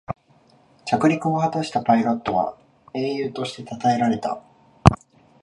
着陸を果たしたパイロットは英雄としてたたえられた